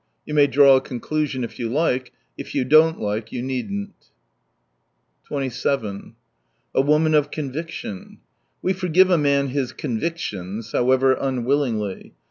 You may draw a conclusion if you like : if you don't like, you needn't. A woman of conviction. — We forgive a man his " convictions," however unwillingly.